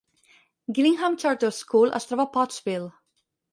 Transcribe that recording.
Gillingham Charter School es troba a Pottsville.